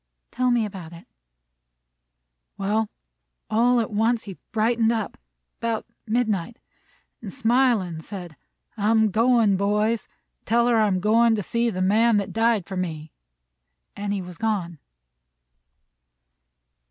"Tell me about it." "Well, all at once he brightened up, 'bout midnight, an' smilin', said: 'I'm goin', boys. Tell her I'm going to see the Man that died for me;' an' he was gone."